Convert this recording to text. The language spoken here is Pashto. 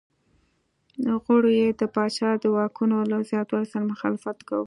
غړو یې د پاچا د واکونو له زیاتوالي سره مخالفت کاوه.